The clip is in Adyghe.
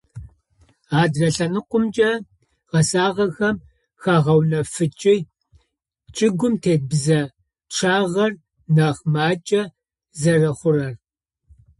Адрэ лъэныкъомкӏэ - гъэсагъэхэм хагъэунэфыкӏы чӏыгум тет бзэ пчъагъэр нахь макӏэ зэрэхъурэр.